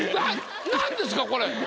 なんですかこれ。